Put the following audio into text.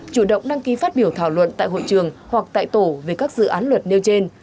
chủ động đăng ký phát biểu thảo luận tại hội trường hoặc tại tổ về các dự án luật nêu trên